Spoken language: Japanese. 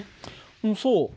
うんそう。